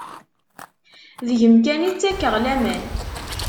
Deg-m kan i ttakeɣ laman.